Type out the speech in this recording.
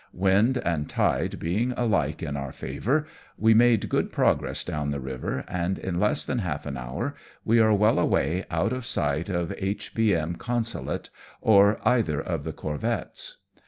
Wind and tide being alike in our favour, we made good progress down the river, and in less than half an hour we are well away out of sight of H.B.M. Consulate or either of the corvettes.